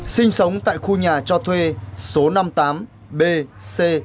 sinh sống tại khu nhà cho thuê số năm mươi tám bc